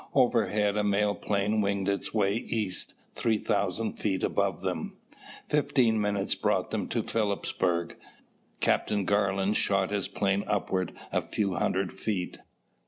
Overhead a mail plane winged its way east, three thousand feet above them. Fifteen minutes brought them to Philipsburg. Captain Garland shot his plane upward a few hundred feet.